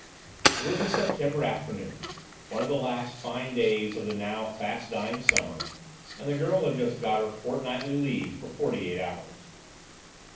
It was a September afternoon, one of the last fine days of the now fast dying summer, and the girl had just got her fortnightly leave for forty eight hours.